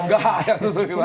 gak harus ditutupi